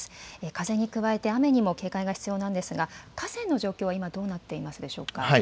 風に加えて、雨にも警戒が必要なんですが、河川の状況は今、どうなっていますでしょうか？